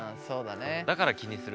だから気にする。